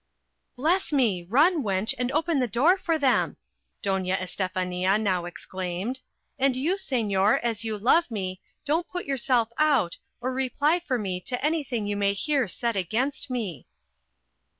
"Bless me! Run, wench, and open the door for them," Doña Estefania now exclaimed; "and you, señor, as you love me, don't put yourself out, or reply for me to anything you may hear said against me."